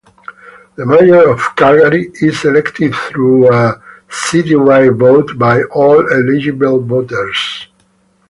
The mayor of Calgary is elected through a citywide vote by all eligible voters.